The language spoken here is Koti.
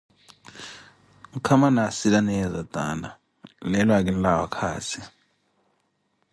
nkama naasilaniyeezo taana, leelo akinlawa okaazi.